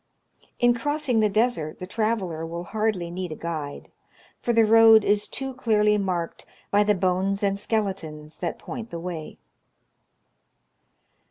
In crossing the desert the traveler will hardly need a guide, for the road is too clearly marked by the bones and skel etons that point the M^ay.